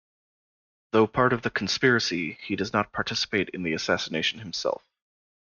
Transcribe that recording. Though part of the conspiracy, he does not participate in the assassination itself.